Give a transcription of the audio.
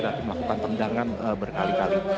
berarti melakukan tendangan berkali kali